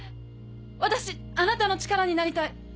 私あなたの力になりたい。